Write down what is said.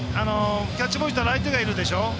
キャッチボールしたら相手がいるでしょ。